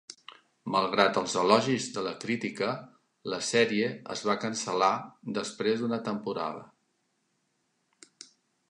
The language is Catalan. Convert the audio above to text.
Malgrat els elogis de la crítica, la sèrie es va cancel·lar després d'una temporada.